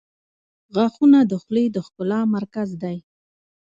• غاښونه د خولې د ښکلا مرکز دي.